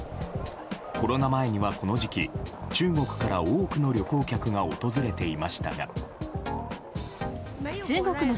コロナ前には、この時期中国から多くの旅行客が訪れていましたが。